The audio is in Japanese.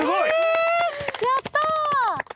えやった！